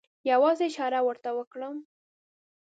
یوازې اشاره ورته وکړم.